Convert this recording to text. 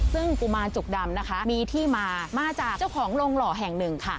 ซึ่งกุมารจุกดำนะคะมีที่มามาจากเจ้าของโรงหล่อแห่งหนึ่งค่ะ